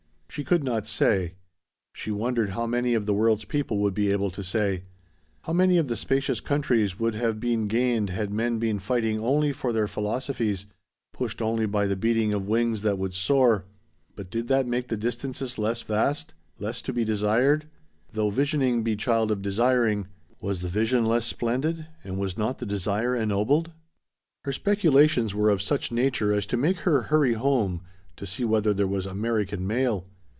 She could not say. She wondered how many of the world's people would be able to say. How many of the spacious countries would have been gained had men been fighting only for their philosophies, pushed only by the beating of wings that would soar. But did that make the distances less vast? Less to be desired? Though visioning be child of desiring was the vision less splendid, and was not the desire ennobled? Her speculations were of such nature as to make her hurry home to see whether there was American mail.